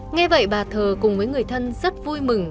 nghe vậy bà thờ cùng với người thân rất vui mừng